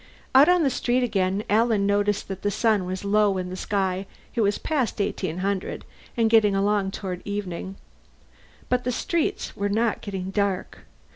Out in the street again, Alan noticed that the sun was low in the sky; it was past 1800, and getting along toward evening. But the streets were not getting dark.